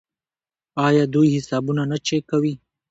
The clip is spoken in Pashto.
آیا دوی حسابونه نه چک کوي؟